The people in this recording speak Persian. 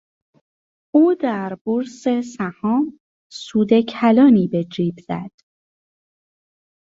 او در بورس سهام سود کلانی به جیب زد.